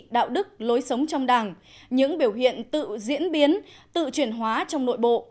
đạo đức lối sống trong đảng những biểu hiện tự diễn biến tự chuyển hóa trong nội bộ